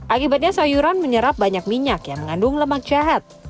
akibatnya sayuran menyerap banyak minyak yang mengandung lemak jahat